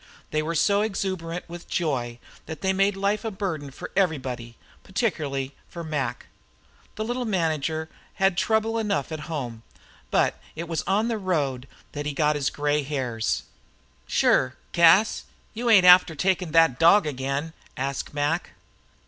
They were so exuberant with joy that they made life a burden for everybody, particularly for Mac. The little manager had trouble enough at home, but it was on the road that he got his gray hairs. "Shure, Cas, you ain't after takin' thet dog again?" asked Mac.